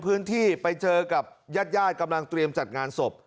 ไปเจอกับญาติญาติกำลังเตรียมจัดงานศพ